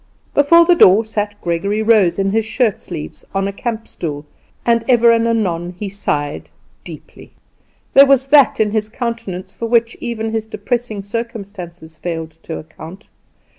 Before the door sat Gregory Rose in his shirt sleeves, on a camp stool, and ever and anon he sighed deeply. There was that in his countenance for which even his depressing circumstances failed to account.